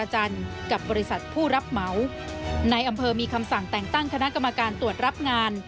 ในอำเภอมีคำสั่งแต่งตั้งคณะกรรมการตรวจรับงาน